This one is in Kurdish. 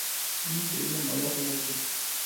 Wî bêriya mala xwe nekir.